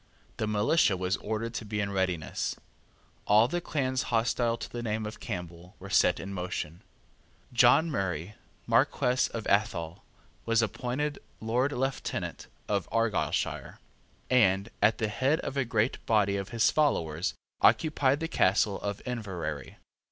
The militia was ordered to be in readiness. All the clans hostile to the name of Campbell were set in motion. John Murray, Marquess of Athol, was appointed Lord Lieutenant of Argyleshire, and, at the head of a great body of his followers, occupied the castle of Inverary.